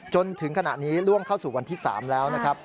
จนถึงขณะนี้ล่วงเข้าสู่วันที่๓แล้วนะครับ